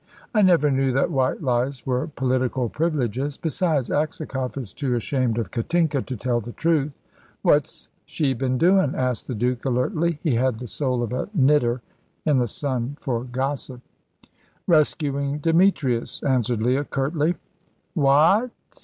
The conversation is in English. "I never knew that white lies were political privileges. Besides, Aksakoff is too ashamed of Katinka to tell the truth." "What's she been doin'?" asked the Duke, alertly. He had the soul of a knitter in the sun for gossip. "Rescuing Demetrius," answered Leah, curtly. "What!!!"